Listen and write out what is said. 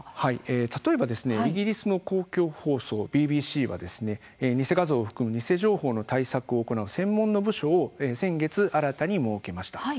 例えばイギリスの公共放送ＢＢＣは偽画像を含む偽情報の対策を行う専門の部署を先月、新たに設けました。